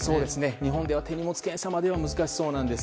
日本では手荷物検査までは難しそうなんです。